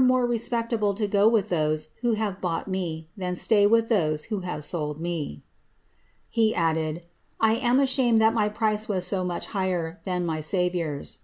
114 HBNBISTTA M A B I ▲• think it more respectable to go with those who have bought me, than stay with those who liave sold me.'' He added, ^ I am ashamed that my price was so much higher than my Saviour's."